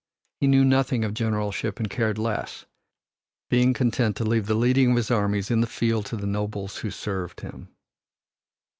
He knew nothing of generalship and cared less, being content to leave the leading of his armies in the field to the nobles who served him.